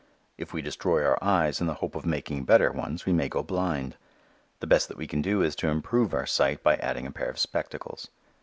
If we destroy our eyes in the hope of making better ones we may go blind. The best that we can do is to improve our sight by adding a pair of spectacles.